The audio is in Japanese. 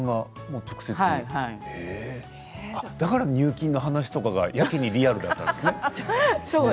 だから入金の話とかがやけにリアルだったんですね。